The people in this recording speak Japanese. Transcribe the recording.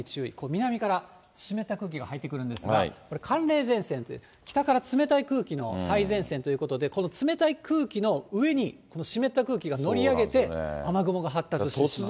南から湿った空気が入ってくるんですが、これ、寒冷前線という、北から冷たい空気の最前線ということで、この冷たい空気の上に湿った空気が乗り上げて、雨雲が発達してしまう。